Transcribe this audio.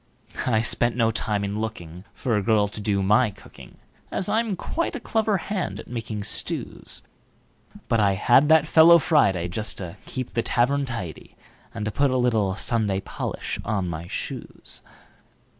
I spent no time in lookingFor a girl to do my cooking, As I'm quite a clever hand at making stews; But I had that fellow Friday, Just to keep the tavern tidy, And to put a Sunday polish on my shoes.